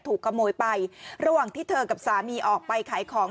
ถูกขโมยไประหว่างที่เธอกับสามีออกไปขายของ